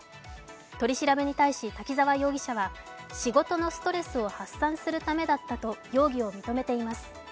取り調べに対し滝沢容疑者は仕事のストレスを発散するためだったと容疑を認めています。